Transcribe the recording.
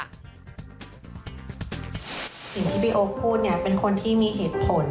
สิ่งที่พี่โอ๊คพูดเนี่ยเป็นคนที่มีเหตุผล